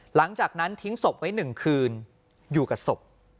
หลังจากนั้นทิ้งศพไว้๑คืนอยู่กับศพ